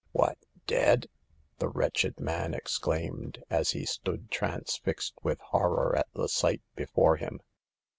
" What, dead !" the wretched man ex claimed, as he stood transfixed with horror at the sight before him.